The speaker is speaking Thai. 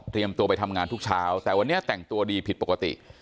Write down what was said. ตัวไปทำงานทุกเช้าแต่วันนี้แต่งตัวดีผิดปกติ